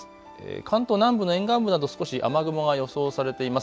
関東南部の沿岸部など少し雨雲が予想されています。